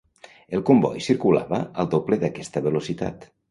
El comboi circulava al doble d’aquesta velocitat.